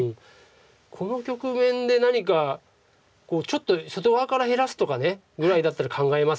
この局面で何かちょっと外側から減らすとかぐらいだったら考えますけど。